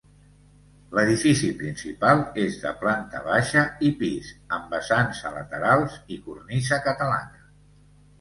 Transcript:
L’edifici principal és de planta baixa i pis, amb vessants a laterals i cornisa catalana.